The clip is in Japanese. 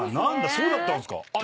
そうだったんですか。なーっ！